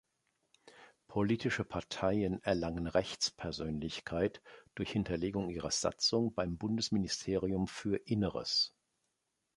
Politische Parteien erlangen Rechtspersönlichkeit durch Hinterlegung ihrer Satzung beim Bundesministerium für Inneres.